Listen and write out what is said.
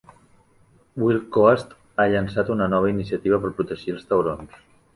Wildcoast ha llançat una nova iniciativa per protegir els taurons.